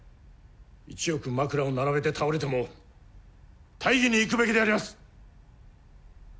１億枕を並べて倒れても大義に生くべきであります！